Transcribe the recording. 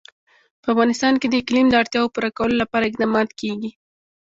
په افغانستان کې د اقلیم د اړتیاوو پوره کولو لپاره اقدامات کېږي.